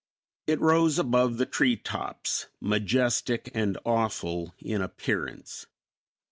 It rose above the treetops majestic and awful in appearance.